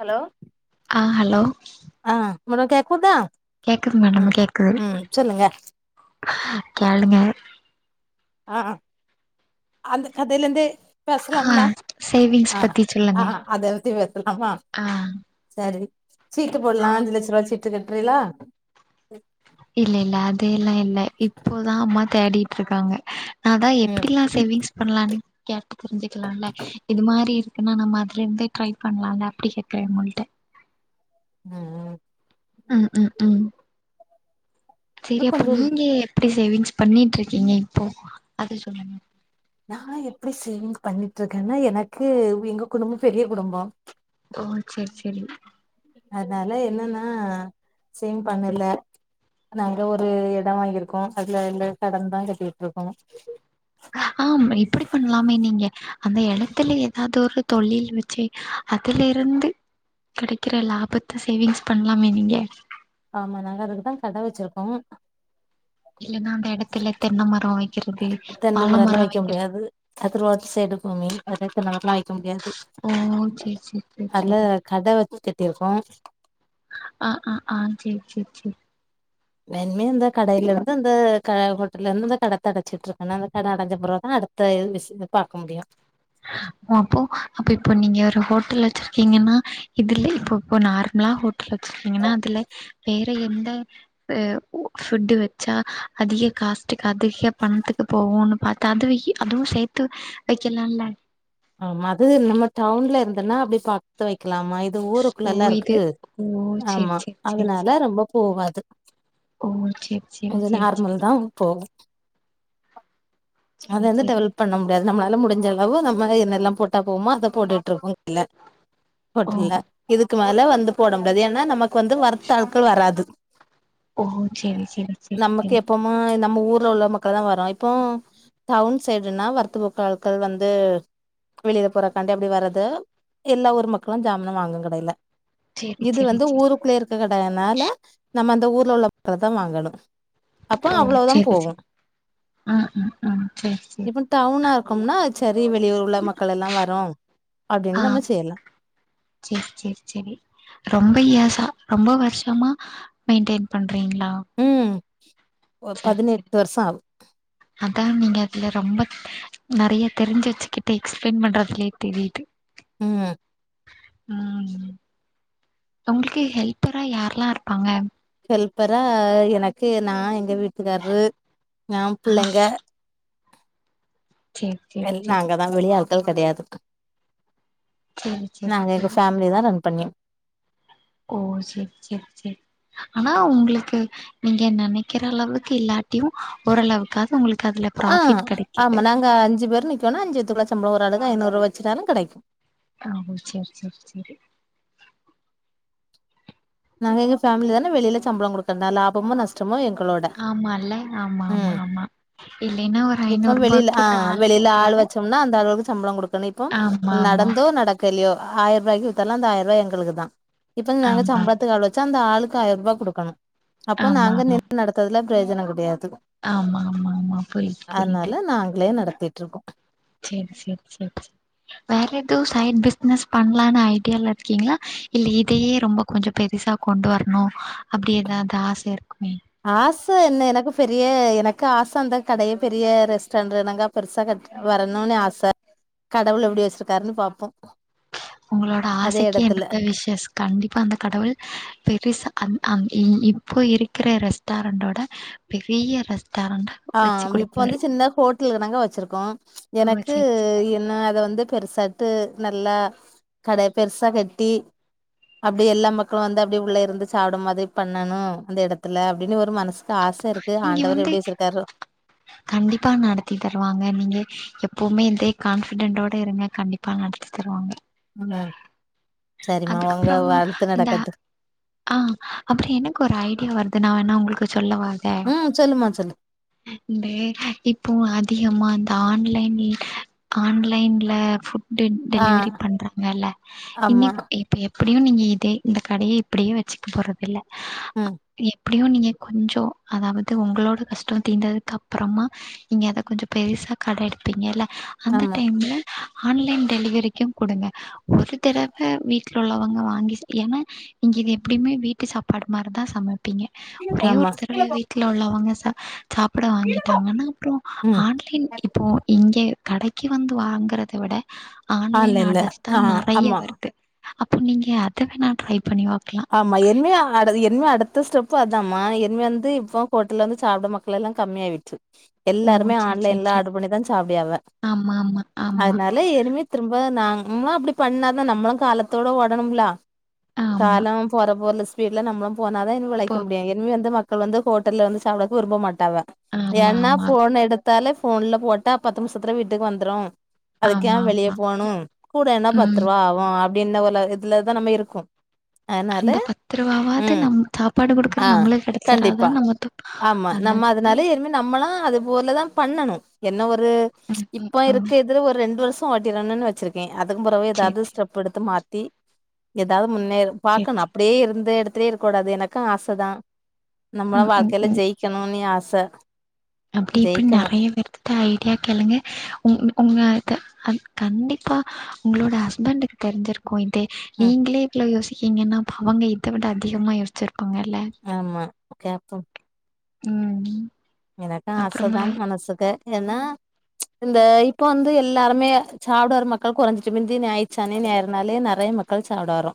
Hello ஆ hello ஆ மேடோ கேக்குதா கேக்குது மேடமு ம் கேக்குது ம் சொல்லுங்க கேளுங்க ஆ அந்த கதேலிந்து ஆ பேசலாம்ல சேவிங்ஸ் ஆ பத்தி ஆ சொல்லுங்க அத பத்தி பேசலாமா ஆ சரி சீட்டு போட்லா அஞ்சு லட்சரூபா சீட்டு கட்றீலா இல்ல இல்ல அதெல்லா இல்ல இப்போதா அம்மா தேடிட்ருக்காங்க அதா ம் எப்டில்லா சேவிங்ஸ் பண்ணலான்னு கேட்டு தெரிஞ்சுக்கலால்ல இது மாரி இருக்குன்னா நம்ம அதுல இருந்தே ட்ரை பண்லால அப்டி கேக்குற உங்கள்ட்ட ம் ம் ம் ம் ம் இன்னு செரி அப்ப கொஞ்சோ நீங்க எப்படி சேவிங்ஸ் பண்ணீட்ருக்கீங்க இப்போ அது சொல்லுங்க நா எப்டி சேவிங் பண்ணிட்ருக்கேனா எனக்கு எங்க குடும்போ பெரிய குடும்போ ஓ செரி செரி அதனால என்னன்னா சேவ்ங் பண்ணல நாங்க ஒரு எடோ வாங்கிருக்கோ அதுல இல்ல கடன்தா கட்டீட்ருக்கோ ஆம் இப்பிடி பண்லாமே நீங்க அந்த எடத்துல எதாது ஒரு தொழில் வெ ச்சு அதுல இருந்து கெடைக்கிற லாபத்த சேவிங்ஸ் பண்லாமே நீங்க ஆமா நாங்க அதுக்குதா கட வெச்சிருக்கோ இல்லனா தென்ன வாழ மரல்லா மரோ வெய்க்க வெக்கிறது முடியாது அது ரோட்டு சைடுக்குமே அதுல தென்ன மரோல்லா வெய்க்க முடியாது ஓ வக்க சேரி சேரி சேரி அதுல சேரி கட வெச் கட்டிருக்கோ ஆ ஆ ஆ சேரி சேரி சேரி மென்மே இந்த கடைலருந்து அந்த க ஹோட்டலுந்த கடத்த அடச்சிட்டுருக்குன்னு அந்த கட அடஞ்ச பிறவுத் அடு த்த விசினு பாக்க முடியு ஒ அப்போ அப்ப இப்போ நீங்க ஒரு ஹோட்டல் வெச்சிருக்கீங்கென்னா இதுல இப்போ இப்ப நார்மலா ஹோட்டல் வெச்சிருக்கீங்கன்னா அதுல வேற எந்த து உ ஃபுட்டு வெச்சா அதிக காஸ்ட்டுக் அதிக பணத்துக்கு போகூனு பாத்தா அதுவியி அதுவு சேத்து வெக்கலால்ல ஆமா அது நம்ம டவுன்ல இருந்துன்னா அப்டி பாத்து வெக்கலாமா ஊது ஓ ஊருக்குள்ளல்ல இது இருக்கு ஓ சேரி ஆமா சேரி சேரி அதுனால சேரி ரொம்ப போகாது ஓ சேரி சேரி அது சேரி சேரி நார்மல்தா இப்போ அத சேரி வந்து சேரி டெவலப் பண்ண முடியாது நம்மளால முடிஞ்சளவு நம் ம் என்னெல்லா போட்டா போமோ அத போட்டுட்டுருக்குங் ஓ ஹோட்டல்ல இதுக்கு மேல வந்து போட முடியாது ஏன்னா நமக்கு வந்து வர்த்து ஆட்கள் வராது ஓ செரி செரி செரி செரி அ நம்ம ஊர்ல உள்ள மக்கள்தா வரு இப்போ டவ்ன் சைடுனா வரத்து போக்க மக்கள் வந்து வெளியில போறக்காண்டி அப்டி வர்றது எல்லா ஊர் மக்களு ஜாமன் வாங்கு கடையில சேரி இது சேரி வந்து சேரி ஊருக்குள்ள இருக்க கடயினால நம்ம அந்த ஊர்ல உள்ள ப தா வாங்கணு அப்போ ஓ அவ்வளவுதா சேரி போகு சேரி ம் ம் ம் சேரி சேரி இப்பன் டவுன்னா இருக்கும்னா ச்சரி வெளியூர் உள் ள மக்களெல்லாவரு அப்டின்ன நம்ம செய்லா சேர் சேர் செரி ரொம்ப யேர்சா ரொம்ப வர்ஷமா மெயின்டெயின் பண்றீங்ளா ம் ஒ பதினெட்டு வருஷொ ஆகு அத்தா நீங்க அதுல ரொம்ப நெறைய தெரிஞ்சு வச்சுக்கிட் எக்ஸ்பிளைன் பண்றதுலே தெரியுது ம் ம் உங்ளுக்கு ஹெல்ப்பரா யார்ல்லா இருப்பாங்க ஹெல்ப்பரா எனக்கு நா எங்க வீட்டுக்கார்ரு நா ஆ பிள்ளங்க சேரி சேரி சேரி எல்னாங்கத் நாங்க வெளி ஆள்கள் கெடையாது சேரி சேரி நாங்க எங்க சேரி ஃபேமிலி தா ரன் பண்ணிய ஓ செர் செர் செரி ஆனா உங்களுக்கு நீங்க நெனைக்கிற அளவுக் இல்லாட்டியு ஓரளவுக்காது உங்ளுக் அ ஆம்ம நாங்க அஞ்சு பேர் நிக்கோனா அஞ்சுத்துக்குள்ள சம்பளொ ஒரு ஆளுக்கு ஐநூறுூபா வச்சுட்டாலு கெடைக்கு ஆ சேர் சேர் சேரி நாங்க எங்க ஃபேமிலி தான வெளில சம்பள கொடுக்கண்டா லாபமோ நஷ் டம்மோ எங்களோட ஆம்மால்ல ஆம்மா ஆம்மா ம் ஆம்மா இல்லைன்னா ஒரு ஐநூற்பா அ வெளில ஆள் வச்சம்னா அந்த ஆளுவளுக்கு சம்பளங் கொடுக்கணு இப்போ ஆமா ஆமா நடந்தோ நடக்கலையோ ஆயர் ருவாய்க்கு வித்தாலு அந்த ஆயர்ருவா எங்களுக்கு தா இப்ப நாங்க ஆமா சம்பளத்துக்கு ஆள் வச்சா அந்த ஆளுக்கு ஆயர்ருவா குடுக்கணு அப்போ ஆமா நாங்க ஆமா நின் நடத் த்ததுல பிரயோஜன கெடையாது ஆமா ஆமா ஆமா புரியுது புரியுது அதுனால நாங்ளே நடத்திட்ருக்கோ சேரி சேரி சேரி சேரி வேற எதுவு சைட் பிஸ்னஸ் பண்ணலான்னு ஐடியால்ல இர்க்கீங்ளா இல்ல இதையே ரொம்பக் கொஞ்ச பெருசா கொண்டு வர்ணு அப்டி எதாவ்து ஆச இர்க்குமே ஆச என்ன எனக்கு பெரிய எனக்கு ஆச அந்த கடைய பெரிய ரெஸ்டாரண்ட் கணக்கா பெருசா கட் வரணுன்னு ஆச கடவுள் எப்டி வச்சுருக்காருன்னு பாப்போ உங்களோட அதே ஆசைக்கு எடத்துல என்னோட விஷ்ஷஸ் கண்டிப்பா அந்த கடவுள் பெருசா அம் அங் இ இப்போ இருக்குற ரெஸ்டாரண்ட்டோட பெரிய ரெஸ்டாரண்டா ஆ வச்சு இப்ப வந்து குடுப்பாரு சின்ன ஹோட்டல்கணக்கா வச்சுருக்கோ ஓ எனக்கு சரி சரி என்ன அத வந்துப் பெருசாட்டு நல்லா கடைய பெருசா கட்டி அப்டி எல்லா மக்களு வந்து அப்டி உள்ள இருந்து சாப்ட மாதிரி பண்ணணு அந்த எடத்துல அப்டின்னு ஒரு மனஸ் இங்கெ வந்து கண்டிப்பா நடத்தி தருவாங்க நீங்க எப்போமே இதே கான்ஃபிடெண்டோட இருங்க கண்டிப்பா நடத்தி தருவாங்க ம் சரிம்மா உங்க வாழ்த்து நடக்கட்டு அ அப்பற என்னங்க் ஒரு ஐடியா வருது நா வேணா உங்களுக்கு சொல்லவா அத ம் சொல்லும்மா சொல்லு இந்த இப்போ அதிகம்மா அந்த ஆன்லைன்லி ஆன்லைன்ல ஃபுட் டெ ஆ டெலிவரி பண்றாங்கல்ல ஆமா இனிக் ப்ப எப்புடியும் நீங்க இதே இந்த கடைய இப்புடியே வச்சுக்க போறதில்ல ம் எப்புடியு நீங்க கொஞ்சொ அதாவது உங்களோட கஷ்டொ தீந்ததுக்கு அப்றமா நீங்க அத கொஞ்சொ பெருசா கட எடுப்பீங்கெல்ல அந்த ஆமா டைம்ல ஆன்லைன் டெலிவெரிக்கு குடுங்க ஒரு தரவை வீட்டுல உள்ளவங்க வாங்கி சா என்னா இங்க இது எப்புடியுமே வீட்டு சாப்பாடு மாருதா சமப்பீங்க ஒரே ஒரு ஆமா தடவ வீட்ல உள்ளவங்க ச சாப்பிட வாங்கிட்டாங்கன்னா அப்புற ம் ஆன்லைன் இப்போ இங்க கடைக்கு வந்து வாங்கறத விட ஆன்லைன் ஆன்லைன்ல ஆடர்ஸ் தா ஆ நெறைய ஆமா வருது அப்போ நீங்க அத வேணா ட்ரை பண்ணிபாக்கலா ஆமா என்ம ஆடரு என்மைய அடுத்த ஸ்டெப்பு அதமா என்ம வந்து இப்ப கோட்டல வந்து சாப்பிட ம க்கெல்லா கம்மியாயிடுச்சு ஓ எல்லாருமே சேரி சேரி ஆன்லைன்ல சேரி ஆர்டர் பண்ணிதா சாப்பிடியாவ ஆமாமா, ஆமா, ஆமா. அதனா ல்ல இனிமே திரும்ப நம்ம அப்டி பண்ணாத்தா நம்மளு காலத்தோட ஓடனும்லா ஆமா காலம் போற போல ஸ்பீட்ல நமளு போனாதா இனி போ உழைக்க முடியு இனி வந்து மக்க கொழந்த ஹோட்டல்ல வந்து சாப்பிட விரும்ப மாட்டாவ ஏன்னா ஆமாமா, ஃபோன எடுத்து த்தலே ஃபோன்ல போட்டா பத்து நிமிசத்துல வீட்டுக்கு வந்துரு அதுக்க ஏ வெளியே ஆமாமா. போணு கூட என்னா பத்து ம். ரூபா ஆகு அப்டின்னு ஒரு உலகத்துலதா நம்ம இருக்கோ அதனால அந்த பத்து ரூபாவது ம் நம் சாப்பாடு கொடுக்குற ஆ நம்மள கண்டிப்பா கிடைச்சறாதா நம்ம ஆமா நம்ம அதனால இனிமே நம்மளு அது போலதான் பண்ணணு என்ன ஒரு ம், ம், இப்ப ம். இருக்கு இதுல ஒரு ரெண்டு வருஷ இப்ப அது வேணுன்னு வச்சிருக்கே அதுக்கு பிறவு சரி, எதாவது சரி, ஸ்டெப் எடுத்து மாத்தி எதாவது முன்னேற சரி, பாக்கணு சரி. அப்டியே இருந்த இடத்துலயே இருக்க கூடாது எனக்கு ஆசை தா நம்மளாம் ம், ம், வாழ்க்கையில ம். ஜெயிக் கணோனி ஆச அப்டி இப்டி ஜெயிக்கணும். நெறைய பேருக்கு இப்ப ஐடியா கேளுங்க உ உங்க க கன் கண்டிப்பா உங்களோட ஹஸ்பண்டுக்கு தெரிஞ்சிருக்கு இதே ம். நீங்களே இவ்வளவு யோசிக்கீங்கன்னா அவங்க இத விட அதிகமா யோசிச்சிருப்பாங்கல்ல ஆமா கேப்போ ம் ம் எனக்கு ஆச தா மனசுக்கு ஏனா இந்த இப்ப வந்து எல்லாருமே சாப்ட வர மக்கள் குறைஞ்சிட்டு முந்தி ஞாயிறு சனி ஞாயிறுனாலே நெறைய மக்கள் மக்கள் சாப்பிட வரு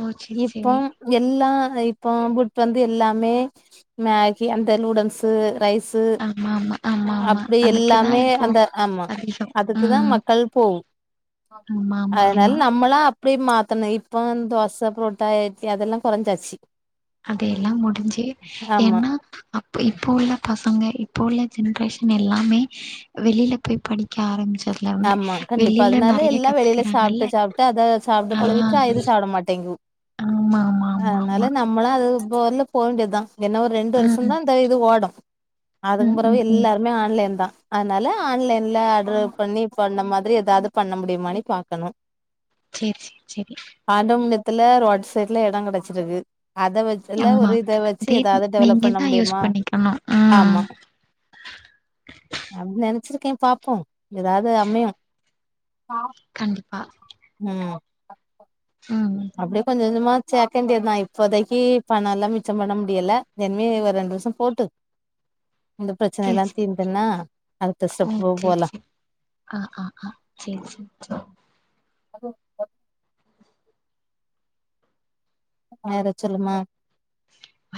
ஓ! சரி, சரி. இப்போம் எல்லாம் இப்போ புட் வந்து எல்லாமே மேகி அந்த லூடன்ஸ் ரைஸ் து ஆமா ஆமா ஆமா ஆமா அப்டி அதுக்குதா எல்லாமே இப்போ அந்த ஆமா அதிகோ அதுக்குதா ம் மக்கள் போகு ஆமா ஆமா அதனால ஆமா நம்மளா இப்டி மாத்தணு இப்போ தோச புரோட்டாஇட்லி அதெல்லா கொறைஞ்சாச்சு அதையெல்லாம் முடிஞ்சு ஆமா ஏன்னா இப்போ உள்ள பசங்க இப்போ உள்ள ஜென்ரேஷன் எல்லாமே வெளியில போய் படிக்க ஆரம்பிச்சரு ஆமா கண்டிப்பா அதனால எல்லா வெளியில கத்துக்கறாங்கல்ல சாப்ட்டு சாப்ட்டு அத சாப்ட்டு ஆ பழவிட்டா இத சாப்பிட மாட்டேங்கு ஆமா ஆமா ஆமா அதனால ஆமா நம்மளு அது போல போகண்டியதுதா ஏன்னா ஒரு ரெண்டு ரெண்டு வருஷந்தா ம் இந்த இது ஓடு அதுக்கு ம் பிறகு ம் ம் எல்லாரு எல்லா ஆன்லைன் தா அதனால ஆன்லைன்ல ஆடரு பண்ணி இப்பண்ண மாதிரி ஏதாவது பண்ண முடியுமானு பாக்கணு சேரி சேரி சேரி ஆண்டவபுண்ணியத்துல ரோட் சைட்ல இட கிடைச்சிருக்கு அத வச் எல்லா ஒரு ஆமா இத வச்சு அதே ஏதாவது டெவலப் நீங்க பண்ண தா யூஸ் முடியுமா பண்ணிக்கணு ஆமா ம் அப்டி நெனைச்சிருக்கே பாப்போ ஏதாவது அமையும் கண்டிப்பா ம் ம் அப்டியே கொஞ்ச கொஞ்சமா சேத்தே தெரிமா இப்போதைக்கு பண எல்லா மிச்சம் பண்ண முடியல இனிமே ஒரு ரெண்டு வருச போட்டு இந்த பிரச்சனை சேரி எல்லா சேரி தீந்த்தன்னா அடுத்த ஓ ஸ்டெப்பு சேரி போலா சேரி ஆ ஆ ஆ சேர் சேர் சேர் அதோப்பார் அத சொல்லுமா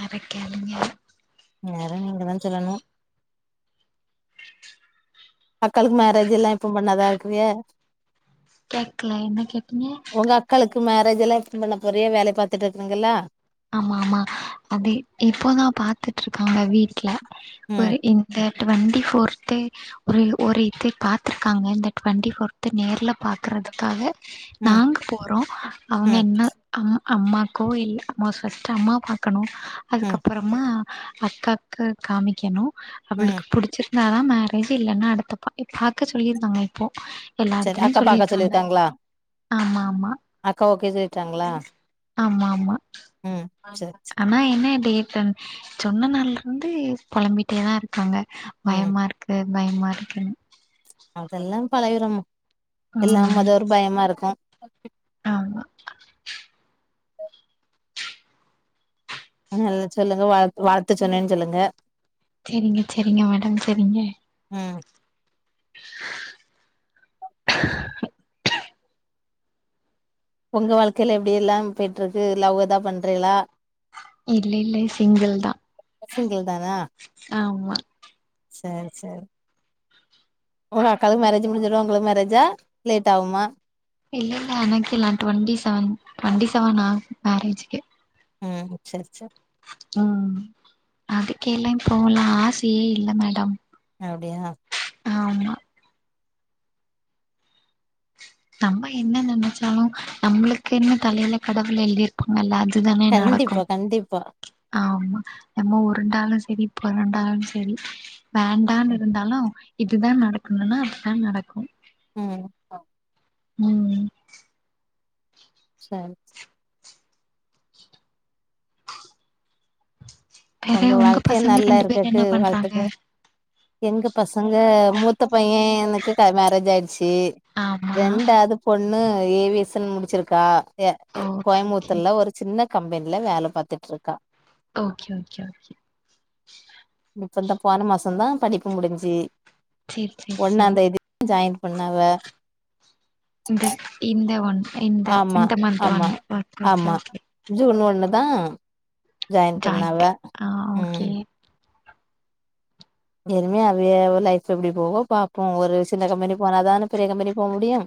அத போய் கேளுங்யா வேற நீங்க தா சொல்லணு மக்களுக்கு மேரேஜ் எல்லா எப்ப பண்ணதா இருக்கிறிய கேக்கல என்ன கேட்டீங்க உங்க அக்காளுக்கு மேரேஜ் எல்லா எப்ப பண்ண போறியோ வேலை பாத்துட்டு இருக்குறீங்கல்லா ஆமா ஆமா அது இப்போதா பாத்துட்ருக்காங்க வீட்ல ம் ஒரு இந் ந்த ட்வெண்ட்டி ஃபோர்த்தே ஒரு ஒரு இது பாத்திருக்காங்க இந்த டுவெண்டிபோஃர்து நேர்ல பாத் க்குறதுக்காக ம் நாங்க போறோ அவங்க ம் என்ன அம் அம்மாக்கோ இல்ல அம்மா ஸ்ட்டம் அம்மா பாக்கணு ம் அதுக்கப்பறமா அக்காக்கு காமிக்கணு ம் அவளுக்கு புடிச்சிருந்தா தான் மேரேஜ் இல்லன்னா அடுத்தப் பா பாக்க சொல்லியிருந்தாங்க இப்போ எல்லா சரி எடத்துலயு அக்கா பாக்க சொல்லிருக்காங்க சொல்லிருக்காங்களா ஆமா ஆமா அக்கா ஓகே சொல்லிட்டாங்களா ஆமா ஆமா ம் சேர் சேர் ஆனா என்ன டேட்டன் சொன்ன நாள்ல இருந்து புழம்பிட்டேதா இருக்காங்க ம் பயமா இருக் க்கு பயமா இருக்குன்னு அதெல்லா பலகுறம்மா எல்லா ம் மொத ஒரு பயமா இருக்கு ஆமா ஆ நல் சொல்லுங்க வாழ் வாழ்த்து சொன்னேன்னு சொல்லுங்க சேரிங்க சேரிங்க மேடம் சேரிங்க ம் ஒங்க வாழ்க்கையில எப்டி எல்லா போயிட்ருக்கு லவ்தா பண்றேலா இல்ல இல்லை சிங்கிள் தா சிங்கிள் தானா ஆமா சேர் சேர் உங்க அக்காக்கு மேரேஜ் முடிஞ்சிடும் உங்களுக்கு மேரேஜா லேட் ஆகுமா இல்ல இல்ல எனக்கு நா டுவெண்ட்டி செவன் டுவென்ட்டி செவன் ஆ மேரேஜ்கே ம் சேர் சேர் ம் அதுக்கெல்லா இப்போல்லா ஆசையே இல்ல மேடம் அப்டியா ஆமா நம்ம என்ன நெனைச்சாலு நம்மளுக்குன்னு தலையில கடவுள் எழுதிரு பா நல்லா அதுதானே நடக்கும் கண்டிப்பா கண்டிப்பா ஆமா நம்ம உருண்டாலு சேரி பொறண்டாலு சேரி வேண்டான்னு இருந்தாலு இதுதா நடக்குதுன்னா அதுதா நடக்கு ம் ம் ம் சேர் சே வேற உங்க வாழ்க்கையே பசங்க நல்லா ரெண்டு பேர் இருக்கக்கு என்ன பண்றாங்க வாழ்த்துக்கள் எங்க பசங்க மூத்த பையனக்கு மேரேஜ் ஆயிடுச்சு ஆமா ரெண்டாவது பொண்ணு ஏவியசன் முடிச்சிருக்கா எ ய ஓகே ஓகே கோயம்முத்தூர்ல ஒரு சின்ன கம்பெனில வேல பாத்துட்டு இருக்கா ஓகே ஓகே ஓகே இப்ப இந்த போன மாசந்தா படிப்பு முடிஞ்சி சேரி சேரி ஒன்னாம் சேரி தேதி ஜாயின் பண்ணாவ இந்த இந்த ஒன் இந்த ஆமா இந்த மன்த் ஒன் ஆமா ஆமா [inaudible] ஜூன் ஒண்ணுதா ஜாயின் பண்ணாவ ஜாயிண்ட் ஆ ஓகே ம் இனிமே அப்டியே லைஃப் எப்டி போகோ பாப்போ ஒரு சின்ன கம்பெனி போனாதானே பெரிய கம்பெனி போ முடியு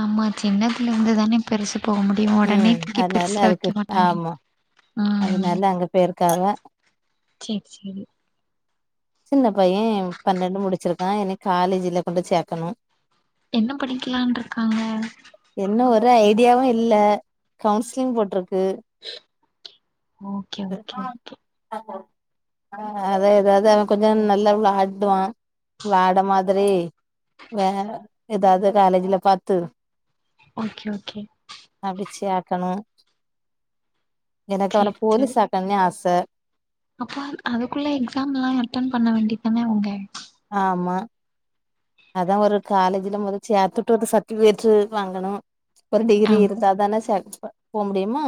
ஆமா சின்னதுல இருந்து தானே பெருசு போ முடியு ஒடனே தூக்கி பெருசுல வைக்க மாட்டாங்க ம் அதுனால அங்க போயிருக்காவ சேரி சேரி சின்ன பைய பன்னெண்டு முடிச்சிருக்கா இனி காலேஜ்ல கொண்டு சேக்கணு என்ன படிக்லான் இருக்காங்க இன்னு ஒரு ஐடியாவு இல்ல கவுன்சிலிங் போட்ருக்கு ஓகே ஓகே ஓகே ஆஹ ஆ அத எதாவது அவ கொஞ்ச நல்லா வ்ளாடுவா வ்ளாட மாதிரி வேற ஏதாது காலேஜ்ல பாத்து ஓகே ஓகே அப்டி சேக்கணு எனக்கு அவன சேரி சேரி போலீஸ் ஆக்கணுனி ஆச அப்ப அதுக்குள்ள எக்ஸாம்லா அட்டன் பண்ண வேண்டிதானே அவுங்க ஆமா அதா ஒரு காலேஜ்ல மொத சேத்துட்டுட்டு சர்டிபிகேட்டு வாங்கணு ஒரு ஆ டிகிரி இருந்தாதான சே போ முடியுமா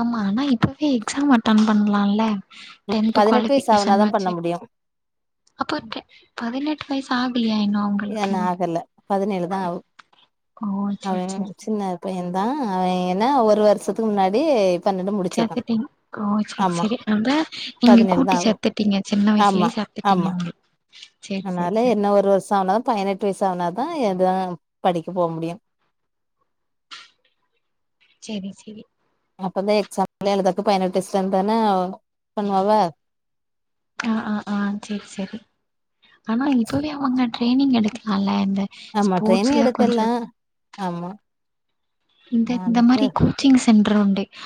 ஆமா ஆனா இப்பவே எக்ஸாம் அட்டன் பண்லால டென்த் பதினெட்டு வயசு க்வாலிஃபிகேஷன் ஆகுனாதா பண்ண வச்சி முடியு அப்போ டெ பதினெட்டு வயசு ஆகலையா இன்னு அவங்களுக்கு இன்னு ஆகல பதினேழுதா ஆவ் ஓ அவ சேரி சேரி சின்ன பையன்தா அவ ஏன்னா ஒரு வருஷத்துக்கு முன்னாடி பன்னெண்டு கேக் முடிச்சிருக்கான் கட்டிங் ஓ செரி ஆமா செரி அந்த நீங்க பதினேழு கூட்டி தான் ஆகும் சேத்துட்டீங்க சின்ன ஆமா வயசுலேயே சேத்துட்டீங்க ஆமா உங்க அதனால என்ன ஒரு வருஷ ஆனாதா பதினெட்டு வயசு ஆனாதா எது படிக்க போ முடியு செரி செரி அப்பதா எக்ஸாம்லா எழுதக்கு பதினெட்டு வயஸ்ல இருந்தான பண்ணுவாவ ஆ ஆ ஆ சேரி சேரி ஆனா இப்பவே அவங்க ட்ரெயனிங் எடுக்லால்ல இந்த ஆமா ட்ரைனிங் ஸ்போர்ட்ஸ்ல கொஞ்ச எடுக்கலாம் ஆமா இந்த இந்த அவனுக்கு மாரி கோ ச்சிங் சென்டர் உண்டு